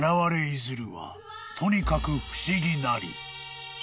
いずるはとにかく不思議なり」］